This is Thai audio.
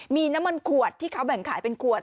มีน้ำมันขวดที่เขาแบ่งขายเป็นขวด